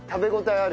ある！